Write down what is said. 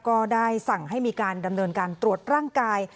ก็ได้สั่งให้มีการดำเนินการตรวจร่างกาย